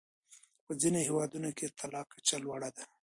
په ځینو هېوادونو کې د طلاق کچه لوړه ده.